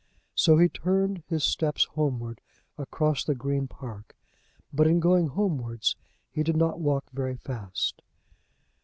So he turned his stops homewards across the Green Park. But, in going homewards, he did not walk very fast.